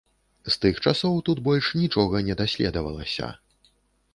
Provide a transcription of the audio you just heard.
З тых часоў тут больш нічога не даследавалася.